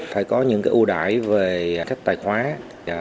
phải có những ưu đại về các tài khoản